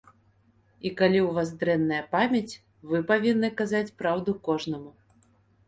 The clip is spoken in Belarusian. І калі ў вас дрэнная памяць, вы павінны казаць праўду кожнаму.